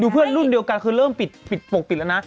เพื่อนรุ่นเดียวกันคือเริ่มปิดปกปิดแล้วนะ